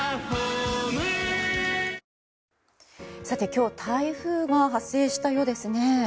今日、台風が発生したようですね。